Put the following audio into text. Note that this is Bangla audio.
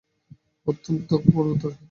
অত্যন্ত দক্ষ পর্বতারোহী।